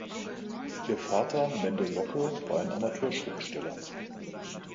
Ihr Vater, Mendel Locke, war ein Amateurschriftsteller.